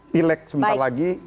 pileg sebentar lagi